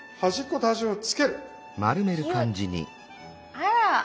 あら。